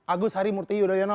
agus harimurti yudhoyono